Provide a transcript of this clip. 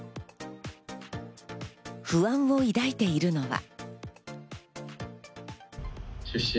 不安を抱いているのは。